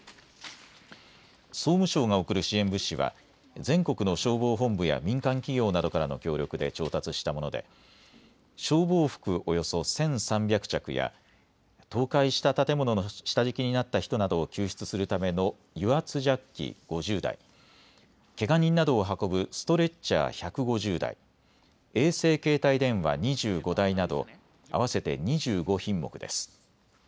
総務省が送る支援物資は全国の消防本部や民間企業などからの協力で調達したもので消防服およそ１３００着や倒壊した建物の下敷きになった人などを救出するための油圧ジャッキ５０台、けが人などを運ぶストレッチャー１５０台、衛星携帯電話２５台など合わせて２５品目です。